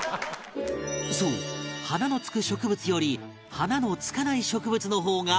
そう花のつく植物より花のつかない植物の方がお気に入り